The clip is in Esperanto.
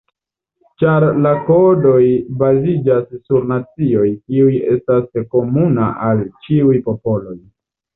Ĉar la kodoj baziĝas sur nocioj, kiuj estas komuna al ĉiuj popoloj.